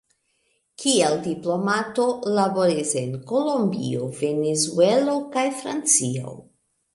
Kiel diplomato, laboris en Kolombio, Venezuelo kaj Francio.